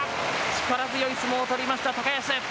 力強い相撲を取りました高安。